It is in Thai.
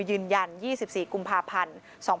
ยืนยัน๒๔กุมภาพันธ์๒๕๖๒